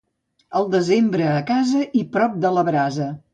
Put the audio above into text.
El desembre a casa i prop de la brasa.